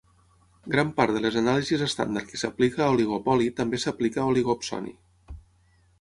Gran part de les anàlisis estàndard que s'aplica a oligopoli també s'aplica a oligopsoni.